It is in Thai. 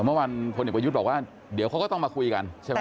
เมื่อวานพลเอกประยุทธ์บอกว่าเดี๋ยวเขาก็ต้องมาคุยกันใช่ไหม